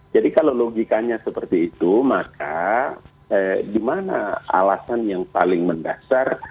jadi kalau logikanya seperti itu maka gimana alasan yang paling mendasar